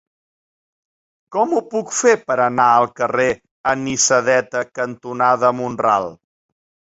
Com ho puc fer per anar al carrer Anisadeta cantonada Mont-ral?